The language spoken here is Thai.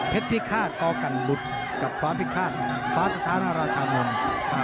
เผ็ดพิฆาตโกกันบุตรกับฟ้าพิฆาตฟ้าสถานราชมนต์